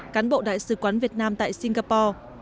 cán bộ đại sứ quán việt nam tại singapore